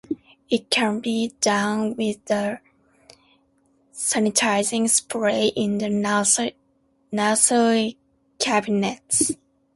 It can be done with the sanitizing spray in the nursery cabinets.